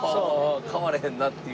買われへんなっていう。